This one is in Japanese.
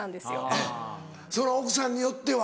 あっ奥さんによっては。